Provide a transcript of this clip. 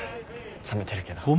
冷めてるけど。